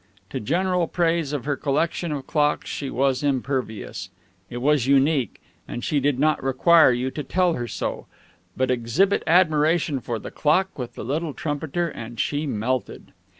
To general praise of her collection of clocks she was impervious; it was unique, and she did not require you to tell her so, but exhibit admiration for the clock with the little trumpeter, and she melted.